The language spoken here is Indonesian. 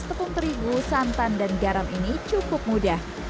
tepung terigu santan dan garam ini cukup mudah